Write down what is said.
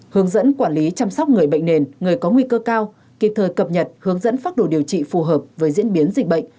hướng dẫn quản lý chăm sóc người bệnh nền người có nguy cơ cao kịp thời cập nhật hướng dẫn pháp đồ điều trị phù hợp với diễn biến dịch bệnh